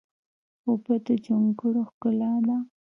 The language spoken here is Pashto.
اوبه د جونګړو ښکلا ده.